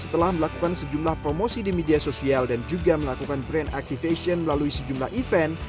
setelah melakukan sejumlah promosi di media sosial dan juga melakukan brand activation melalui sejumlah event